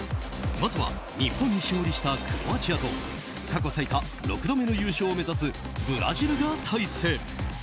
まずは日本に勝利したクロアチアと過去最多６度目の優勝を目指すブラジルが対戦。